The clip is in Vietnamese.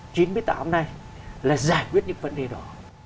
chính bí tả hôm nay là giải quyết những vấn đề đó